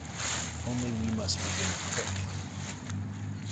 Only we must begin quick.